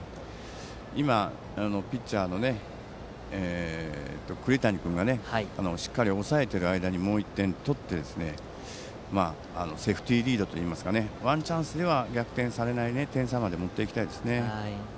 今、ピッチャーの栗谷君がしっかりと抑えている間にもう１点取ってセーフティーリードといいますかワンチャンスでは逆転されない点差まで持っていきたいですね。